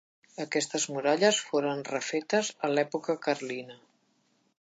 Aquestes muralles foren refetes a l'època carlina.